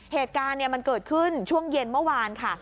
เหตุการณ์มันเกิดขึ้นช่วงเย็นเมื่อวานค่ะ